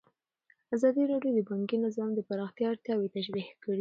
ازادي راډیو د بانکي نظام د پراختیا اړتیاوې تشریح کړي.